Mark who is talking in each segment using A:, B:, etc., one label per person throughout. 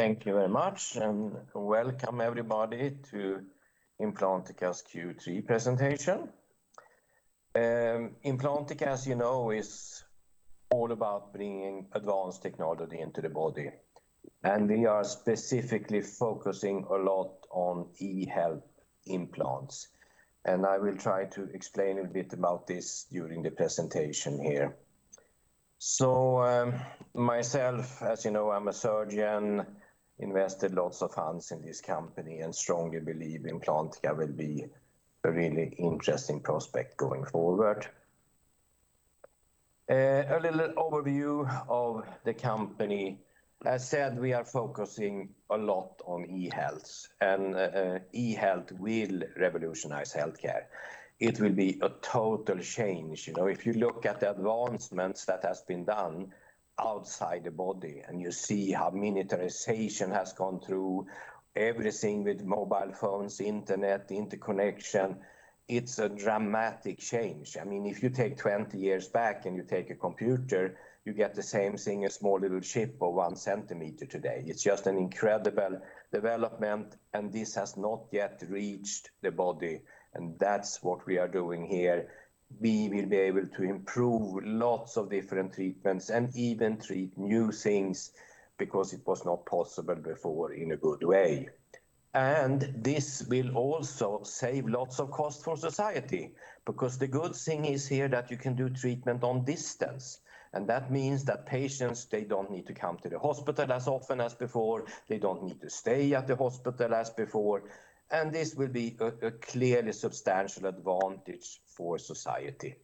A: Thank you very much, and welcome everybody to Implantica's Q3 presentation. Implantica, as you know, is all about bringing advanced technology into the body, and we are specifically focusing a lot on eHealth implants. I will try to explain a bit about this during the presentation here. Myself, as you know, I'm a surgeon, invested lots of funds in this company and strongly believe Implantica will be a really interesting prospect going forward. A little overview of the company. As said, we are focusing a lot on eHealth and eHealth will revolutionize healthcare. It will be a total change. You know, if you look at the advancements that have been done outside the body, and you see how miniaturization has gone through everything with mobile phones, internet, interconnection, it's a dramatic change. I mean, if you take 20 years back and you take a computer, you get the same thing, a small little chip of 1 cm today. It's just an incredible development, and this has not yet reached the body, and that's what we are doing here. We will be able to improve lots of different treatments and even treat new things because it was not possible before in a good way. This will also save lots of cost for society because the good thing is here that you can do treatment on distance, and that means that patients, they don't need to come to the hospital as often as before. They don't need to stay at the hospital as before, and this will be a clearly substantial advantage for society.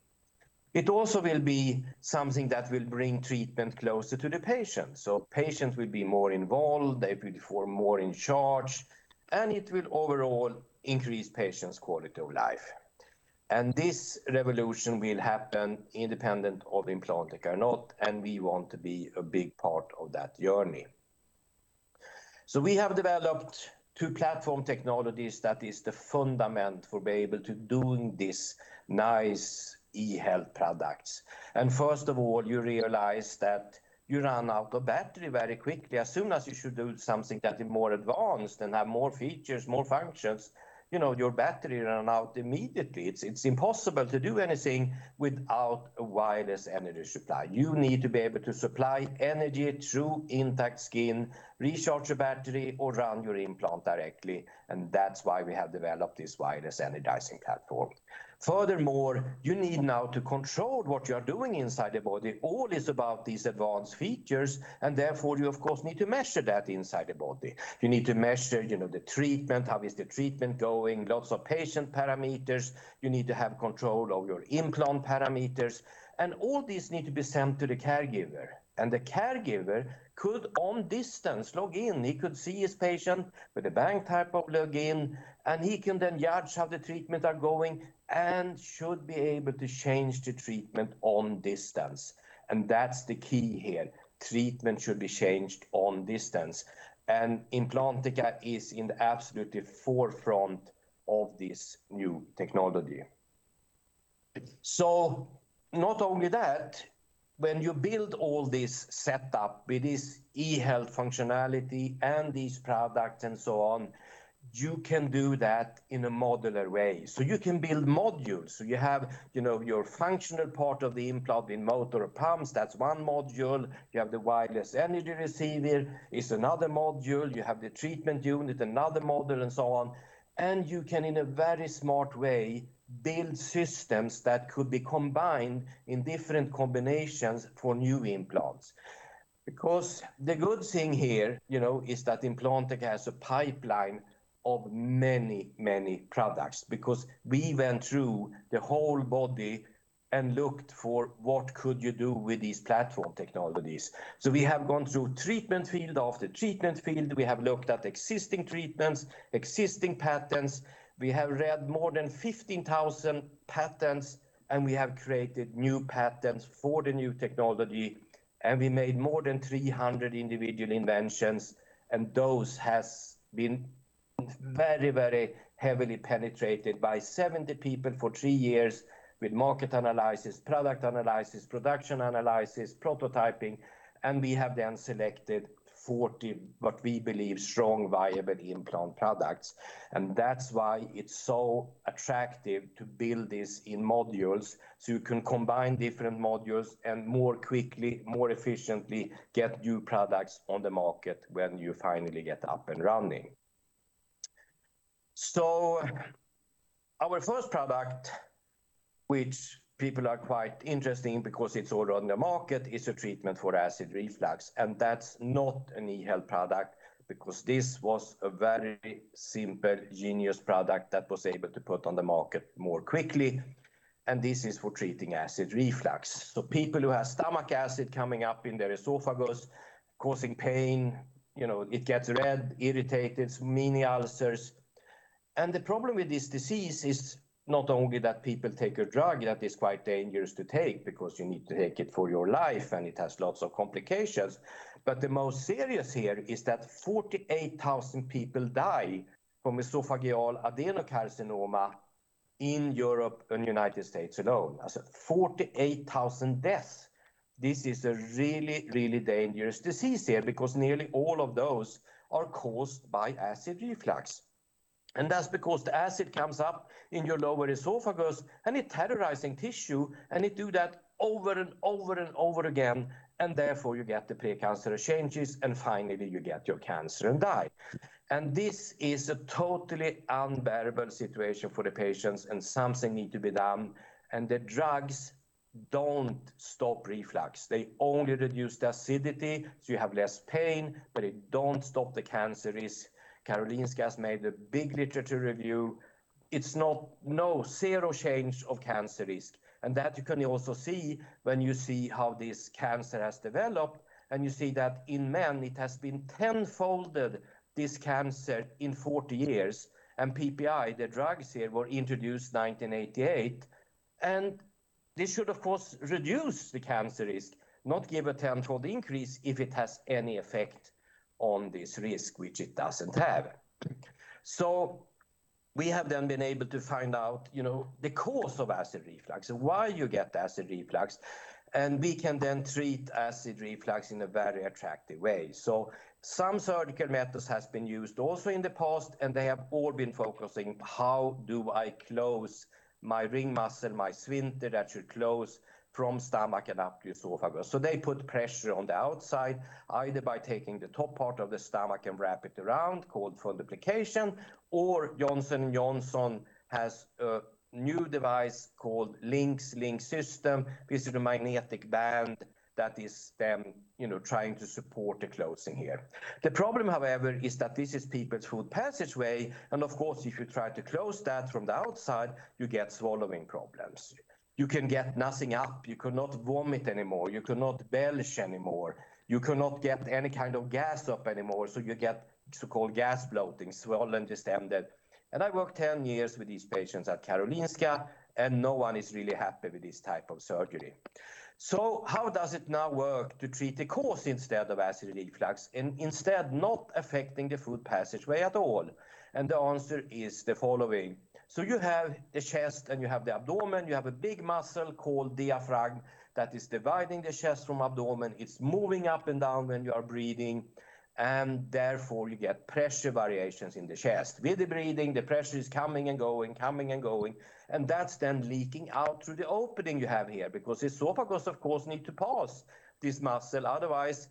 A: It also will be something that will bring treatment closer to the patient. Patients will be more involved, they will feel more in charge, and it will overall increase patients' quality of life. This revolution will happen independent of Implantica or not, and we want to be a big part of that journey. We have developed two platform technologies that is the fundament for be able to doing this nice e-health products. First of all, you realize that you run out of battery very quickly. As soon as you should do something that is more advanced and have more features, more functions, you know, your battery runs out immediately. It's impossible to do anything without a wireless energy supply. You need to be able to supply energy through intact skin, recharge your battery, or run your implant directly, and that's why we have developed this wireless energizing platform. Furthermore, you need now to control what you are doing inside the body. All is about these advanced features, and therefore you of course need to measure that inside the body. You need to measure, you know, the treatment, how is the treatment going, lots of patient parameters. You need to have control of your implant parameters. All this needs to be sent to the caregiver, and the caregiver could, on distance, log in. He could see his patient with a bank type of login, and he can then judge how the treatment is going and should be able to change the treatment on distance. That's the key here. Treatment should be changed on distance. Implantica is in the absolutely forefront of this new technology. Not only that, when you build all this setup with this eHealth functionality and these products and so on, you can do that in a modular way. You can build modules. You have, you know, your functional part of the implant in motor pumps. That's one module. You have the wireless energy receiver is another module. You have the treatment unit, another module, and so on. You can, in a very smart way, build systems that could be combined in different combinations for new implants. Because the good thing here, you know, is that Implantica has a pipeline of many, many products because we went through the whole body and looked for what could you do with these platform technologies. We have gone through treatment field after treatment field. We have looked at existing treatments, existing patents. We have read more than 15,000 patents, and we have created new patents for the new technology. We made more than 300 individual inventions, and those has been very, very heavily penetrated by 70 people for 3 years with market analysis, product analysis, production analysis, prototyping, and we have then selected 40, what we believe, strong, viable implant products. That's why it's so attractive to build this in modules, so you can combine different modules and more quickly, more efficiently get new products on the market when you finally get up and running. Our first product, which people are quite interesting because it's already on the market, is a treatment for acid reflux. That's not an e-health product because this was a very simple, genius product that was able to put on the market more quickly, and this is for treating acid reflux. People who have stomach acid coming up in their esophagus causing pain, you know, it gets red, irritated, mini ulcers. The problem with this disease is not only that people take a drug that is quite dangerous to take because you need to take it for your life, and it has lots of complications. The most serious here is that 48,000 people die from esophageal adenocarcinoma in Europe and United States alone. That's 48,000 deaths. This is a really, really dangerous disease here because nearly all of those are caused by acid reflux. That's because the acid comes up in your lower esophagus, and it terrorizing tissue, and it does that over and over and over again, and therefore you get the precancerous changes, and finally you get your cancer and die. This is a totally unbearable situation for the patients, and something need to be done. The drugs don't stop reflux. They only reduce the acidity, so you have less pain, but it doesn't stop the cancer risk. Karolinska has made a big literature review. It's zero change of cancer risk. That you can also see when you see how this cancer has developed, and you see that in men, it has been 10-folded this cancer in 40 years. PPI, the drugs here, were introduced 1988. This should, of course, reduce the cancer risk, not give a 10-fold increase if it has any effect on this risk, which it doesn't have. We have then been able to find out, you know, the cause of acid reflux and why you get acid reflux, and we can then treat acid reflux in a very attractive way. Some surgical methods has been used also in the past, and they have all been focusing how do I close my ring muscle, my sphincter that should close from stomach and up the esophagus. They put pressure on the outside, either by taking the top part of the stomach and wrap it around, called fundoplication, or Johnson & Johnson has a new device called LINX system. This is a magnetic band that is then, you know, trying to support the closing here. The problem, however, is that this is people's food passageway, and of course, if you try to close that from the outside, you get swallowing problems. You can get nothing up. You could not vomit anymore. You could not belch anymore. You could not get any kind of gas up anymore, so you get so-called gas bloating, swollen the stomach. I worked 10 years with these patients at Karolinska, and no one is really happy with this type of surgery. How does it now work to treat the cause instead of acid reflux, instead not affecting the food passageway at all? The answer is the following. You have the chest and you have the abdomen. You have a big muscle called diaphragm that is dividing the chest from abdomen. It's moving up and down when you are breathing, and therefore you get pressure variations in the chest. With the breathing, the pressure is coming and going, coming and going, and that's then leaking out through the opening you have here because esophagus, of course, need to pass this muscle. Otherwise,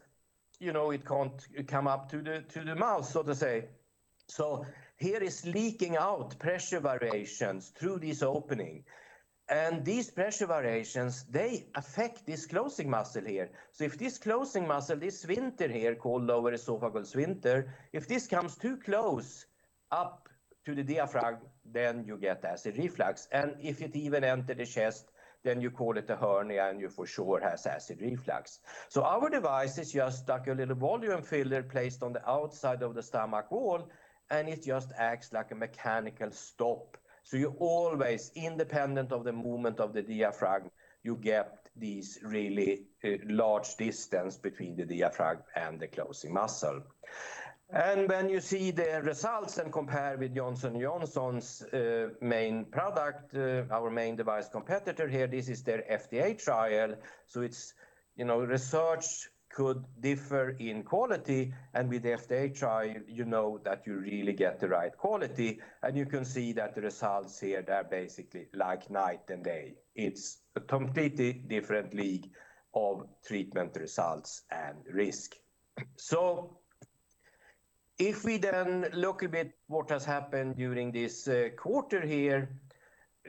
A: you know, it can't come up to the, to the mouth, so to say. Here is leaking out pressure variations through this opening. These pressure variations, they affect this closing muscle here. If this closing muscle, this sphincter here, called lower esophageal sphincter, if this comes too close up to the diaphragm, then you get acid reflux. If it even enter the chest, then you call it a hernia, and you for sure has acid reflux. Our device is just like a little volume filler placed on the outside of the stomach wall, and it just acts like a mechanical stop. You always, independent of the movement of the diaphragm, you get this really large distance between the diaphragm and the closing muscle. When you see the results and compare with Johnson & Johnson's main product, our main device competitor here, this is their FDA trial. It's, you know, research could differ in quality, and with the FDA trial, you know that you really get the right quality. You can see that the results here, they're basically like night and day. It's a completely different league of treatment results and risk. If we then look a bit what has happened during this quarter here,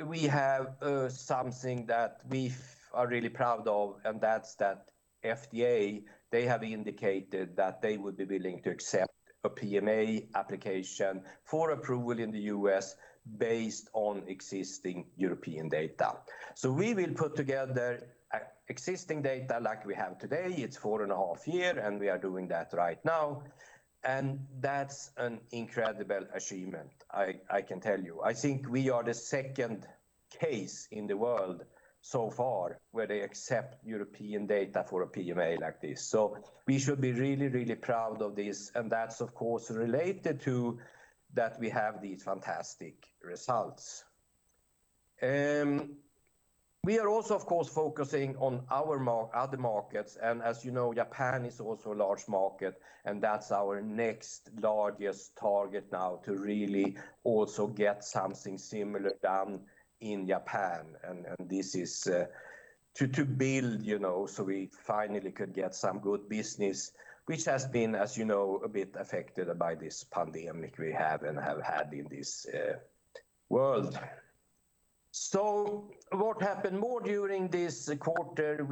A: we have something that we are really proud of, and that's that FDA, they have indicated that they would be willing to accept a PMA application for approval in the U.S. based on existing European data. We will put together existing data like we have today. It's 4.5 years, and we are doing that right now. That's an incredible achievement, I can tell you. I think we are the second case in the world so far where they accept European data for a PMA like this. We should be really, really proud of this, and that's of course related to that we have these fantastic results. We are also of course focusing on our other markets, and as you know, Japan is also a large market, and that's our next largest target now to really also get something similar done in Japan. This is to build, you know, so we finally could get some good business, which has been, as you know, a bit affected by this pandemic we have and have had in this world. What happened more during this quarter,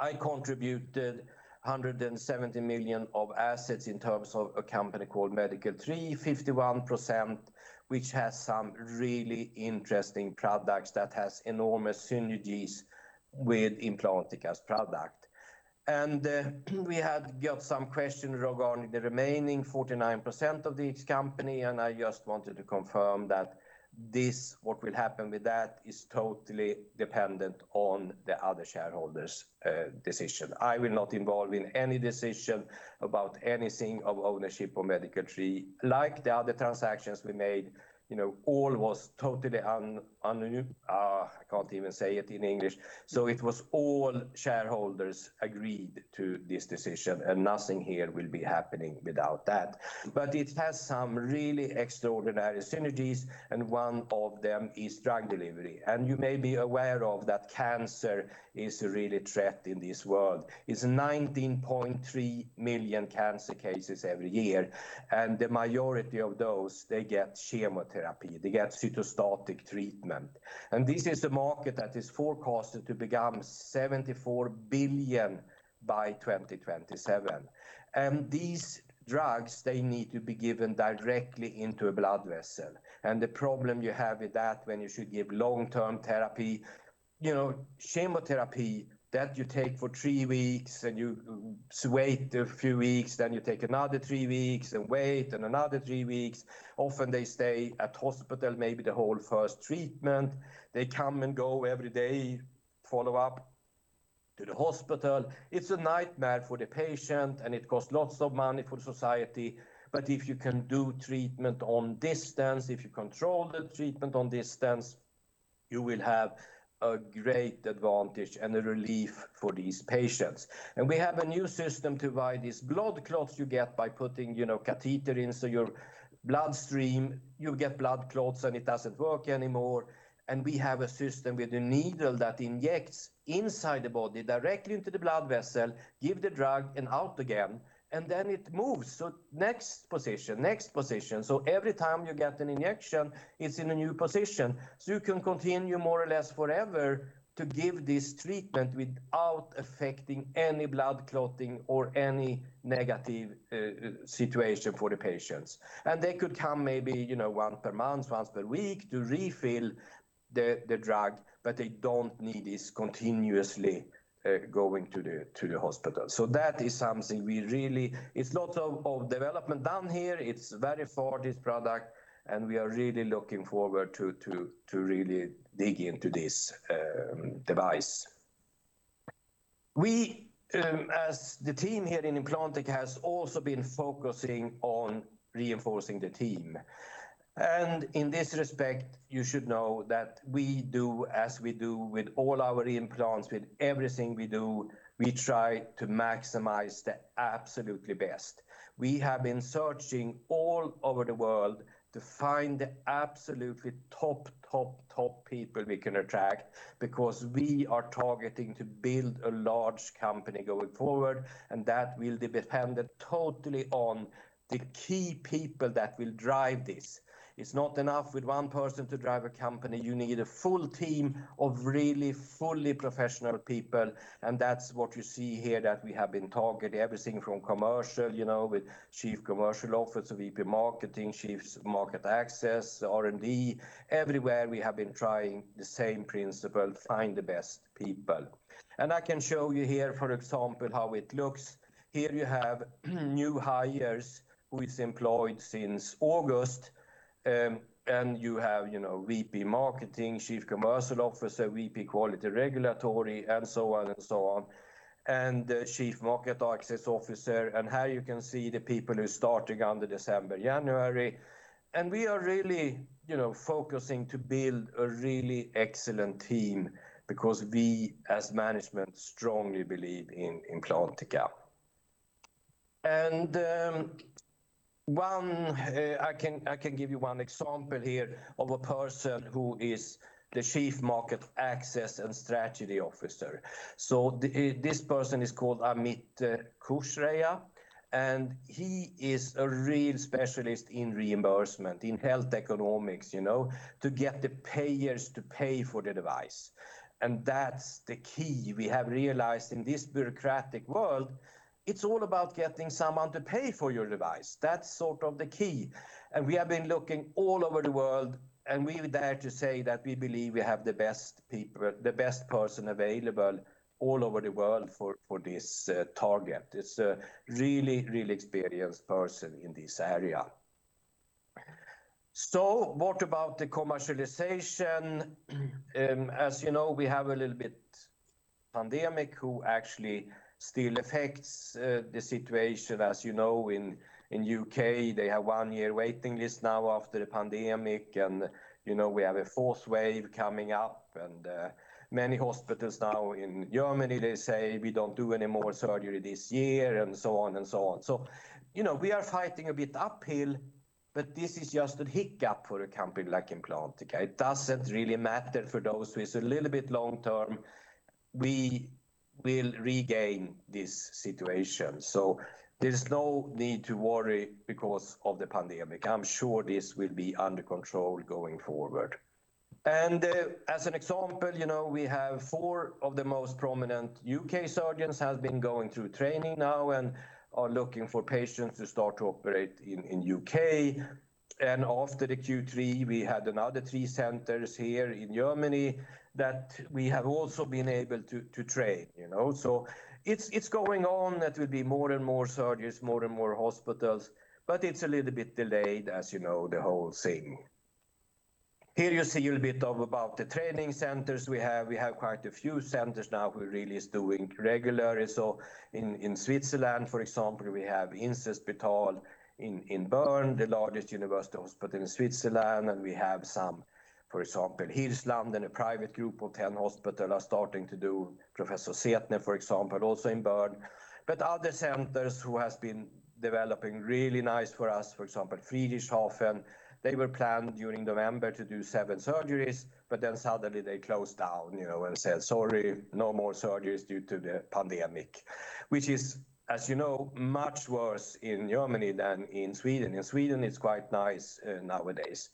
A: I contributed 170 million of assets in terms of a company called MedicalTree, 51%, which has some really interesting products that has enormous synergies with Implantica's product. We had got some question regarding the remaining 49% of each company, and I just wanted to confirm that this, what will happen with that, is totally dependent on the other shareholders' decision. I will not involve in any decision about anything of ownership of MedicalTree. Like the other transactions we made, you know, all was totally. I can't even say it in English. It was all shareholders agreed to this decision, and nothing here will be happening without that. It has some really extraordinary synergies, and one of them is drug delivery. You may be aware of that cancer is a real threat in this world. It's 19.3 million cancer cases every year, and the majority of those, they get chemotherapy. They get cytostatic treatment. This is a market that is forecasted to become 74 billion by 2027. These drugs, they need to be given directly into a blood vessel. The problem you have with that when you should give long-term therapy, you know, chemotherapy, that you take for three weeks, and you wait a few weeks, then you take another three weeks, and wait, and another three weeks. Often they stay at hospital, maybe the whole first treatment. They come and go every day, follow up to the hospital. It's a nightmare for the patient, and it costs lots of money for society. If you can do treatment on distance, if you control the treatment on distance, you will have a great advantage and a relief for these patients. We have a new system to avoid these blood clots you get by putting, you know, catheter in, so your bloodstream, you get blood clots, and it doesn't work anymore. We have a system with a needle that injects inside the body, directly into the blood vessel, give the drug, and out again. It moves to next position, next position. Every time you get an injection, it's in a new position. You can continue more or less forever to give this treatment without affecting any blood clotting or any negative situation for the patients. They could come maybe, you know, once per month, once per week to refill the drug, but they don't need this continuously going to the hospital. That is something we really. It's lots of development done here. It's very far, this product, and we are really looking forward to really dig into this device. We as the team here in Implantica has also been focusing on reinforcing the team. In this respect, you should know that we do as we do with all our implants, with everything we do, we try to maximize the absolutely best. We have been searching all over the world to find the absolutely top, top people we can attract, because we are targeting to build a large company going forward, and that will be dependent totally on the key people that will drive this. It's not enough with one person to drive a company. You need a full team of really fully professional people, and that's what you see here, that we have been targeting everything from commercial, you know, with Chief Commercial Officer, VP Marketing, Chief Market Access, R&D. Everywhere, we have been trying the same principle, find the best people. I can show you here, for example, how it looks. Here you have new hires who is employed since August. You have, you know, VP Marketing, Chief Commercial Officer, VP Quality Regulatory, and so on and so on. Chief Market Access Officer. Here you can see the people who's starting on the December, January. We are really, you know, focusing to build a really excellent team because we as management strongly believe in Implantica. I can give you one example here of a person who is the Chief Market Access and Strategy Officer. This person is called Amit Kushwaha, and he is a real specialist in reimbursement, in health economics, you know, to get the payers to pay for the device. That's the key we have realized in this bureaucratic world. It's all about getting someone to pay for your device. That's sort of the key. We have been looking all over the world, and we dare to say that we believe we have the best people, the best person available all over the world for this target. It's a really experienced person in this area. What about the commercialization? As you know, we have a little bit of a pandemic which actually still affects the situation. As you know, in the U.K., they have a one-year waiting list now after the pandemic, and, you know, we have a fourth wave coming up. Many hospitals now in Germany, they say, "We don't do any more surgery this year," and so on and so on. You know, we are fighting a bit uphill, but this is just a hiccup for a company like Implantica. It doesn't really matter for those who is a little bit long term. We will regain this situation. There's no need to worry because of the pandemic. I'm sure this will be under control going forward. As an example, you know, we have four of the most prominent U.K. surgeons has been going through training now and are looking for patients to start to operate in U.K. After the Q3, we had another three centers here in Germany that we have also been able to train, you know. It's going on. That will be more and more surgeries, more and more hospitals, but it's a little bit delayed, as you know, the whole thing. Here you see a little bit of about the training centers we have. We have quite a few centers now who really is doing regularly. In Switzerland, for example, we have Inselspital in Bern, the largest university hospital in Switzerland. We have some, for example, Hirslanden, a private group hospital are starting to do Professor Sethi, for example, also in Bern. Other centers who has been developing really nice for us, for example, Friedrichshafen, they were planned during November to do 7 surgeries, but then suddenly they closed down, you know, and said, "Sorry, no more surgeries due to the pandemic." Which is, as you know, much worse in Germany than in Sweden. In Sweden, it's quite nice nowadays.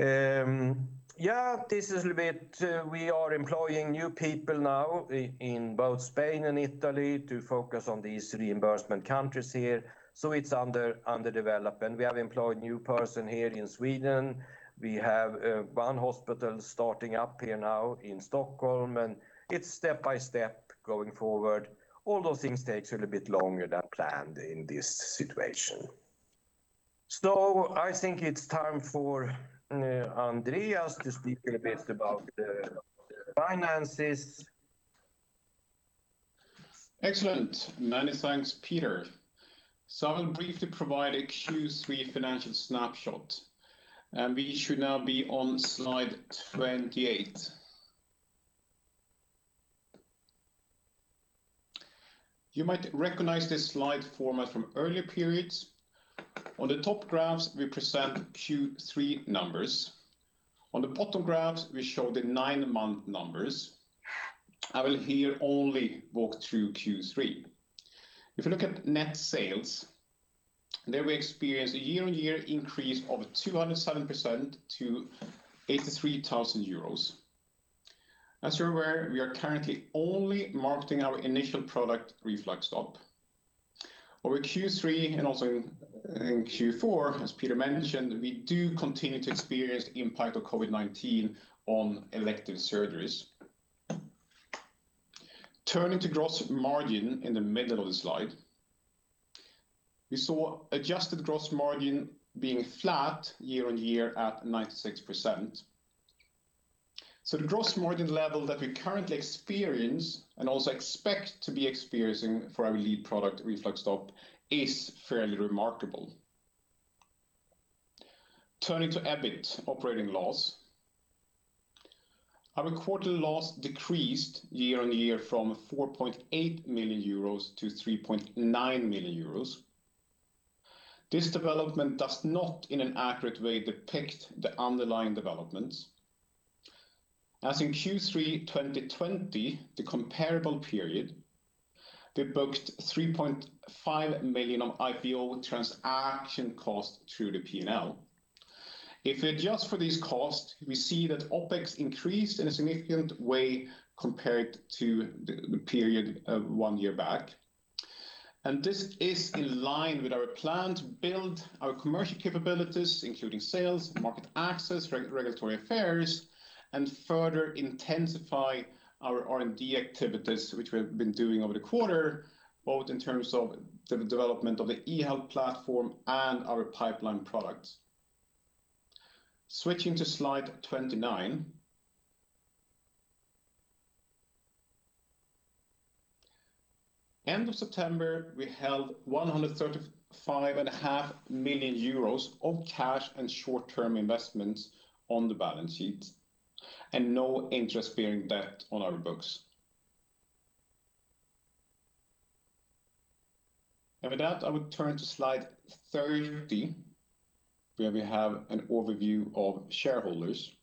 A: Yeah, this is a little bit, we are employing new people now in both Spain and Italy to focus on these reimbursement countries here. It's under development. We have employed new person here in Sweden. We have one hospital starting up here now in Stockholm, and it's step by step going forward. All those things takes a little bit longer than planned in this situation. I think it's time for Andreas to speak a little bit about the finances.
B: Excellent. Many thanks, Peter. I will briefly provide a Q3 financial snapshot. We should now be on slide 28. You might recognize this slide format from earlier periods. On the top graphs, we present Q3 numbers. On the bottom graphs, we show the nine-month numbers. I will here only walk through Q3. If you look at net sales, there we experience a year-on-year increase of 207% to 83,000 euros. As you're aware, we are currently only marketing our initial product, RefluxStop. Over Q3 and also in Q4, as Peter mentioned, we do continue to experience the impact of COVID-19 on elective surgeries. Turning to gross margin in the middle of the slide, we saw adjusted gross margin being flat year-on-year at 96%. The gross margin level that we currently experience and also expect to be experiencing for our lead product, RefluxStop, is fairly remarkable. Turning to EBIT operating loss, our quarterly loss decreased year-over-year from 4.8 million euros to 3.9 million euros. This development does not in an accurate way depict the underlying developments. As in Q3 2020, the comparable period, we booked 3.5 million of IPO transaction cost through the P&L. If we adjust for these costs, we see that OpEx increased in a significant way compared to the period one year back. This is in line with our plan to build our commercial capabilities, including sales, market access, regulatory affairs, and further intensify our R&D activities, which we have been doing over the quarter, both in terms of the development of the eHealth platform and our pipeline products. Switching to slide 29. End of September, we held 135.5 million euros of cash and short-term investments on the balance sheet and no interest-bearing debt on our books. With that, I would turn to slide 30, where we have an overview of shareholders.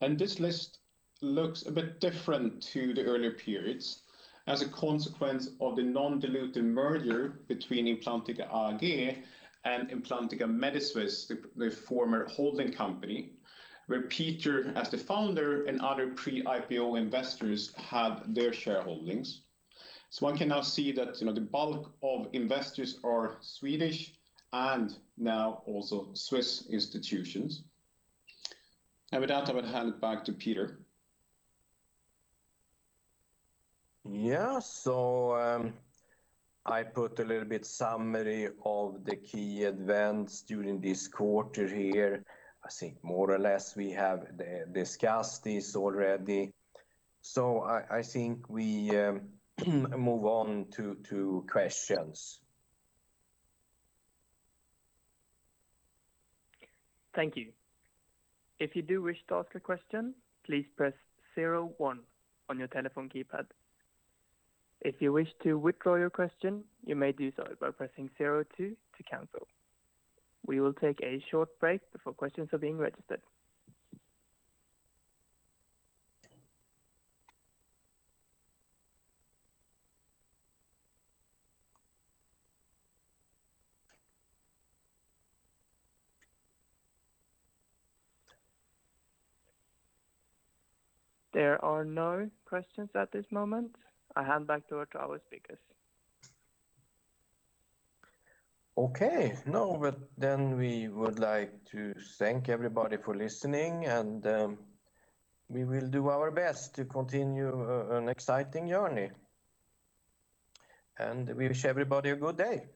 B: This list looks a bit different to the earlier periods as a consequence of the non-diluted merger between Implantica AG and Implantica MediSwiss, the former holding company, where Peter, as the founder and other pre-IPO investors, have their shareholdings. One can now see that, you know, the bulk of investors are Swedish and now also Swiss institutions. With that, I would hand it back to Peter.
A: Yeah. I put a little bit summary of the key events during this quarter here. I think more or less we have discussed this already. I think we move on to questions.
C: Thank you. If you do wish to ask a question, please press zero one on your telephone keypad. If you wish to withdraw your question, you may do so by pressing zero two to cancel. We will take a short break before questions are being registered. There are no questions at this moment. I hand back over to our speakers.
A: Okay. No, but then we would like to thank everybody for listening, and we will do our best to continue an exciting journey. We wish everybody a good day.